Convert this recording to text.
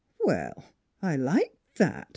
" Well, I like that !